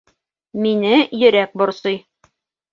Мине йөрәк борсой